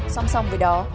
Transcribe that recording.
song song với đó